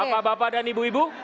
bapak bapak dan ibu ibu